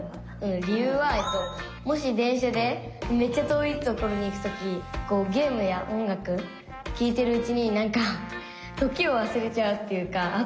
理由はもし電車でめっちゃ遠い所に行くときこうゲームや音楽聞いてるうちになんか時をわすれちゃうっていうか。